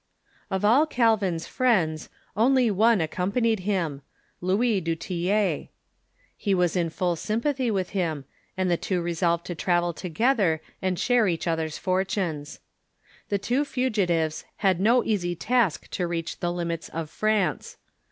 Of all Calvin's friends, only one accompanied him — Louis du Tillet. He Avas in full sympathy with him, and the two resolved to travel together and share each other's ^^Basei'" foi'tunes. The two fugitives had no easy task to reach the limits of France.